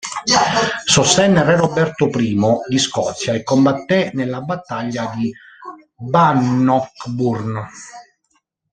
Sostenne re Roberto I di Scozia, e combatté nella battaglia di Bannockburn.